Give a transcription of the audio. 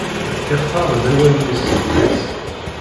Yextar-d awalen-is s lqis.